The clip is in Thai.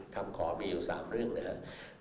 คำขอมีอยู่๓เรื่องนะครับ